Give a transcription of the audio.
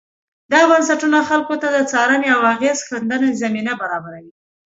دا بنسټونه خلکو ته د څارنې او اغېز ښندلو زمینه برابروي.